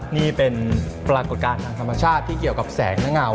นี่เป็นปรากฏการณ์ทางธรรมชาติที่เกี่ยวกับแสงและเงา